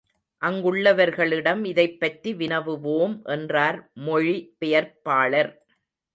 அங்குள்ளவர்களிடம் இதைப் பற்றி வினவுவோம் என்றார் மொழி பெயர்ப்பாளர்.